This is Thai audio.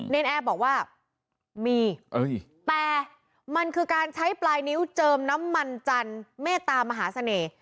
นแอร์บอกว่ามีแต่มันคือการใช้ปลายนิ้วเจิมน้ำมันจันทร์เมตามหาเสน่ห์